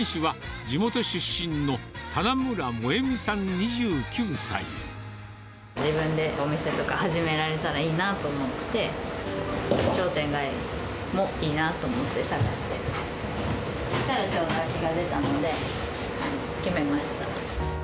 店主は、自分でお店とか始められたらいいなと思って、商店街もいいなと思って探してたら、そしたらちょうど空きが出たので、決めました。